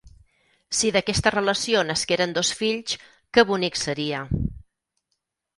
Si d'aquesta relació nasqueren dos fills, que bonic seria!